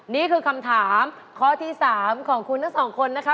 นี่คือคำถามข้อที่๓ของคุณทั้งสองคนนะคะ